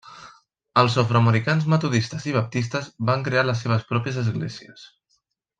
Els afroamericans metodistes i baptistes van crear les seves pròpies esglésies.